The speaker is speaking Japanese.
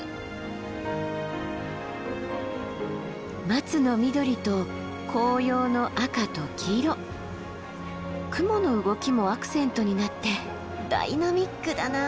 松の緑と紅葉の赤と黄色雲の動きもアクセントになってダイナミックだな。